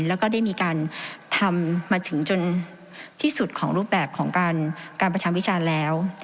แล้วก็ได้มีการทำมาถึงจนที่สุดของรูปแบบของการประชาวิจารณ์แล้ว